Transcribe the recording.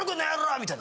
みたいな。